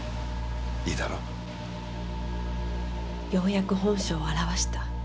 ようやく本性を現した。